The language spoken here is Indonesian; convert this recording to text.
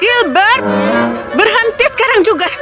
gilbert berhenti sekarang juga